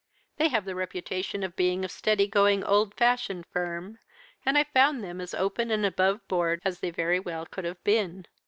They have the reputation of being a steady going, old fashioned firm, and I found them as open and above board as they very well could have been.